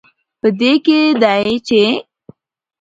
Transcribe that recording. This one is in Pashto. په دې کې دی، چې